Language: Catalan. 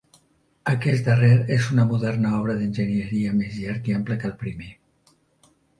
Aquest darrer és una moderna obra d'enginyeria més llarg i ample que el primer.